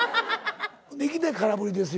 いきなり空振りですよ。